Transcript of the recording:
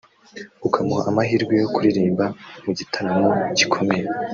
ukamuha amahirwe yo kuririmba mu gitaramo gikomeye